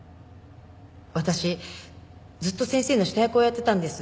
私ずっと先生の下訳をやってたんです。